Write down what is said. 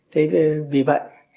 thế vì vậy